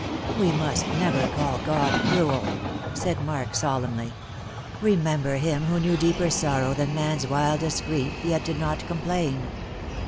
"We must never call God cruel," said Mark solemnly. " Remember Him who knew deeper sorrow than man's wildest grief, yet did not complain."